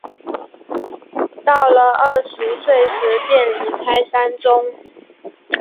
到了二十岁时便离开山中。